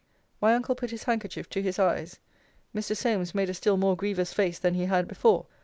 My uncle put his handkerchief to his eyes. Mr. Solmes made a still more grievous face than he had before.